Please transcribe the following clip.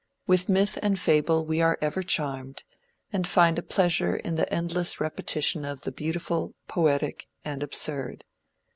With myth and fable we are ever charmed, and find a pleasure in the endless repetition of the beautiful, poetic, and absurd.